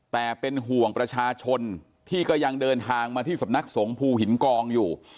แต่เป็นห่วงประชาชนที่ก็ยังเดินทางมาที่สำนักสงภูหินกองอยู่